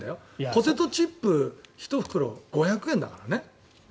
ポテトチップ１袋５００円だからね。